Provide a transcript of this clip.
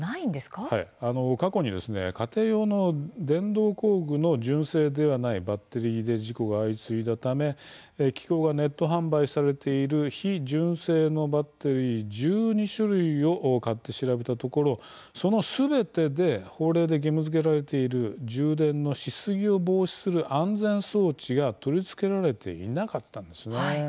過去に家庭用の電動工具の純正ではないバッテリーで事故が相次いだため機構がネット販売されている非純正のバッテリー１２種類を買って調べたところそのすべてで法令で義務づけられている充電のしすぎを防止する安全装置が取り付けられていなかったんですよね。